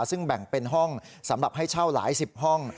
ซึ่งแบ่งเป็นห้องสำหรับให้เช่าหลายสิบห้อง